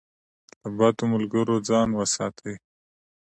له بدو ملګرو ځان وساتئ.